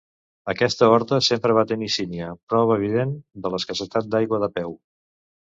Aquesta horta sempre va tenir sínia, prova evident de l'escassetat d'aigua de peu.